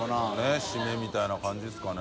佑シメみたいな感じですかね。